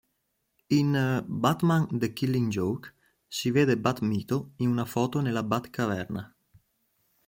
In "Batman:The Killing Joke", si vede Bat-Mito in una foto nella Batcaverna.